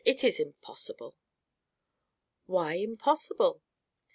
It is impossible." "Why impossible?"